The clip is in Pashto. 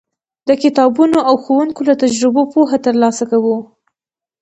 د کتابونو او ښوونکو له تجربو پوهه ترلاسه کوو.